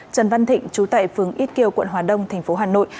trần văn thịnh chú tại phường ít kiều quận hòa đông tp hà nội